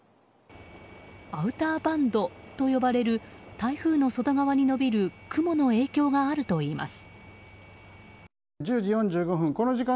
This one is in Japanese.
アウターバンドと呼ばれる台風の外側に伸びる雲の影響があるといいます。